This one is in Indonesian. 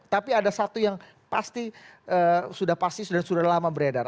tapi ada satu yang pasti sudah lama beredar